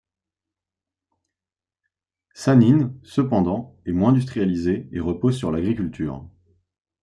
San'in, cependant, est moins industrialisée et repose sur l'agriculture.